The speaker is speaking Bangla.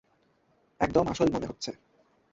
একদম আসল মনে হচ্ছে।